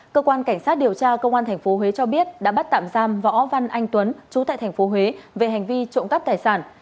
cơ quan cảnh sát điều tra công an tp huế cho biết đã bắt tạm giam võ văn anh tuấn chú tại tp huế về hành vi trộm cắp tài sản